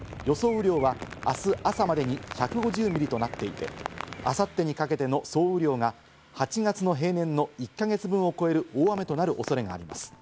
雨量はあす朝までに１５０ミリとなっていて、あさってにかけての総雨量が８月の平年の１か月分を超える大雨となる恐れがあります。